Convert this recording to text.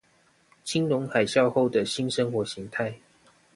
金融海嘯後的新生活形態